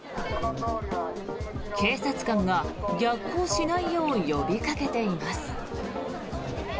警察官が、逆行しないよう呼びかけています。